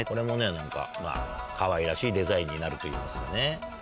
何かかわいらしいデザインになるといいますかね。